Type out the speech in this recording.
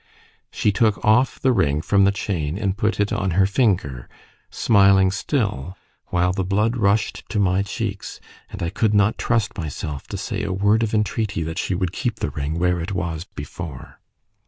She took off the ring from the chain and put it on her finger, smiling still, while the blood rushed to my cheeks, and I could not trust myself to say a word of entreaty that she would keep the ring where it was before.